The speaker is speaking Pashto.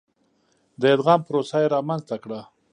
د ادغام پروسه یې رامنځته کړه.